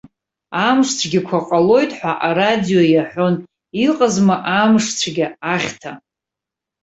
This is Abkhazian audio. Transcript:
Амшцәгьақәа ҟалоит ҳәа арадио иаҳәон, иҟазма амшцәгьа, ахьҭа?